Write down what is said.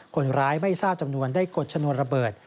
คนร้ายไม่ทราบจำนวนได้กดชนวนระเบิด